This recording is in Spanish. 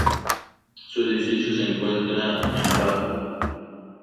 Su edificio, se encuentra en Bakú.